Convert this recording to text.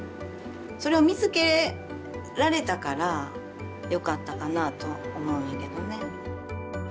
それを見つけられたからよかったかなと思うねんけどね。